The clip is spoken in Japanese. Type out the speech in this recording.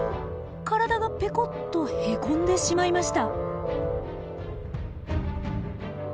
体がぺこっとへこんでしまいました。